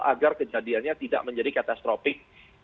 agar kejadiannya tidak menjadi katastropik